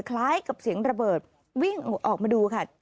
คล้ายกับเสียงระเบิดวิ่งออกมาดูค่ะ